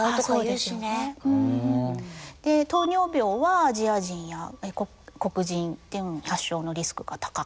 糖尿病はアジア人や黒人で発症のリスクが高かったり。